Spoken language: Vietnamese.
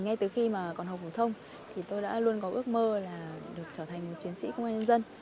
ngay từ khi còn học phổ thông tôi đã luôn có ước mơ là được trở thành một chuyến sĩ công an nhân dân